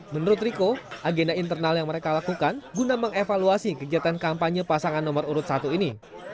menurut riko agenda internal yang mereka lakukan guna mengevaluasi kegiatan kampanye pasangan nomor urut satu ini